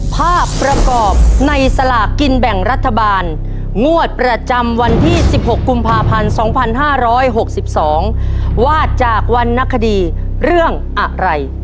ภาพประกอบในสลากกินแบ่งรัฐบาลงวดประจำวันที่๑๖กุมภาพันธ์๒๕๖๒วาดจากวรรณคดีเรื่องอะไร